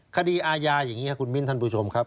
คดีอาญาอย่างนี้ครับคุณมิ้นท่านผู้ชมครับ